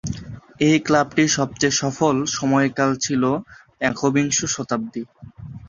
এই ক্লাবটির সবচেয়ে সফল সময়কাল ছিল একবিংশ শতাব্দী।